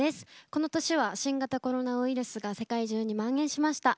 この年は新型コロナウイルスが世界中にまん延しました。